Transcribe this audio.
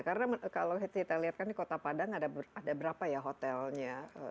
karena kalau kita lihat kan di kota padang ada berapa ya hotelnya